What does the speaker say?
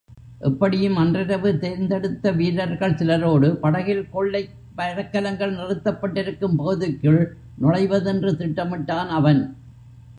எப்படியும் அன்றிரவு தேர்ந்தெடுத்த வீரர்கள் சிலரோடு படகில் கொள்ளை மரக்கலங்கள் நிறுத்தப்பட்டிருக்கும் பகுதிக்குள் நுழைவதென்று திட்டமிட்டான் அவன்.